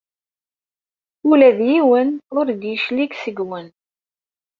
Ula d yiwen ur d-yeclig seg-went.